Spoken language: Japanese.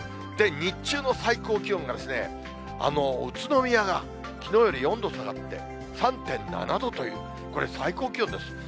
日中の最高気温がですね、宇都宮がきのうより４度下がって３．７度という、これ最高気温です。